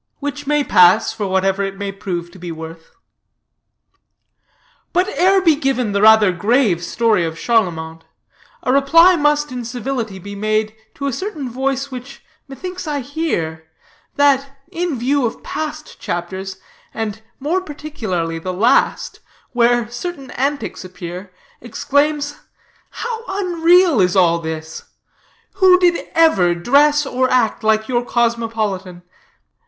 WHICH MAY PASS FOR WHATEVER IT MAY PROVE TO BE WORTH. But ere be given the rather grave story of Charlemont, a reply must in civility be made to a certain voice which methinks I hear, that, in view of past chapters, and more particularly the last, where certain antics appear, exclaims: How unreal all this is! Who did ever dress or act like your cosmopolitan?